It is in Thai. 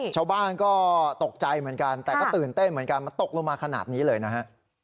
ชาวบ้านก็ตกใจเหมือนกันแต่ก็ตื่นเต้นเหมือนกันมันตกลงมาขนาดนี้เลยนะฮะ